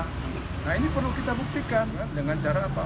nah ini perlu kita buktikan dengan cara apa